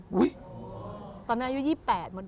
อุ๊ยตอนนั้นอายุ๒๘หมดดำ